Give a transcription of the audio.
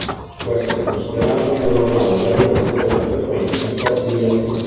Può essere considerata una normale variante della frequenza cardiaca.